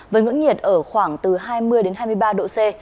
với ngưỡng nhiệt ở khoảng từ hai mươi hai mươi ba độ c